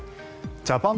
ジャパン